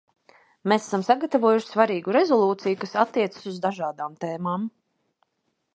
Mēs esam sagatavojuši svarīgu rezolūciju, kas attiecas uz dažādām tēmām.